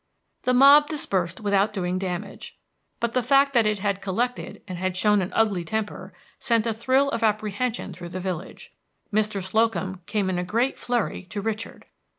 The mob dispersed without doing damage, but the fact that it had collected and had shown an ugly temper sent a thrill of apprehension through the village. Mr. Slocum came in a great flurry to Richard.